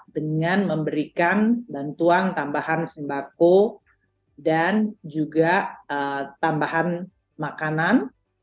dengan memberikan bantuan tambahan sembako dan juga tambahan makanan